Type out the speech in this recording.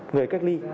người cách ly